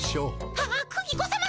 ああクギ子さま。